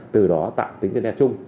từ đó tạo tính tên đeo chung